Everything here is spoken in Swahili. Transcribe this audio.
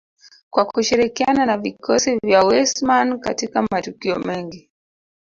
kwa kushirikiana na vikosi vya Wissmann katika matukio mengi